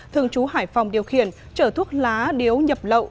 thường trú hải phòng điều khiển chở thuốc lá điếu nhập lậu